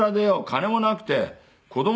金もなくて子供